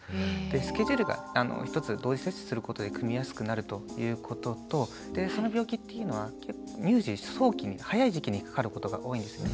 スケジュールが一つ同時接種することで組みやすくなるということとその病気っていうのは乳児早期に早い時期にかかることが多いんですよね。